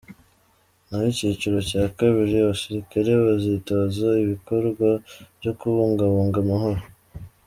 Naho icyiciro cya kabiri abasirikare bazitoza ibikorwa byo kubungabunga amahoro.